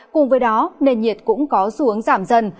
cùng với đó nền nhiệt cũng có xuống giảm dần